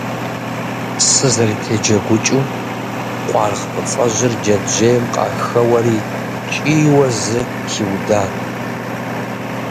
Сызэрытеджэгукӏыу, къуаргъ фӏыцӏэжьыр джэджьейм къахэуэри, кӏийуэ зы хиудат.